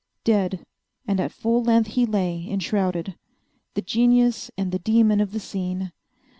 Dead, and at full length he lay, enshrouded; the genius and the demon of the scene.